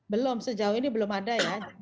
belum sejauh ini belum ada ya